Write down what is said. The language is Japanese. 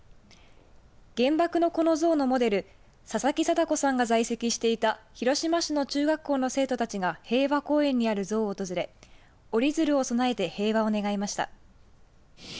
原爆の子の像のモデル佐々木禎子さんが在籍していた広島市の中学校の生徒たちが平和公園にある像を訪れ折り鶴を供えて平和を願いました。